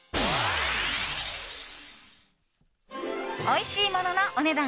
おいしいもののお値段